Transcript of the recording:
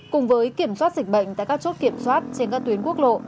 cùng với kiểm soát dịch bệnh tại các chốt kiểm soát trên các tuyến quốc lộ